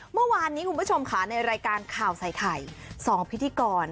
เมื่อวานนี้คุณผู้ชมค่ะในรายการข่าวใส่ไทย